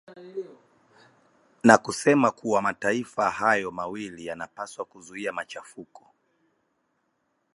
na kusema kuwa mataifa hayo mawili yanapaswa kuzuia machafuko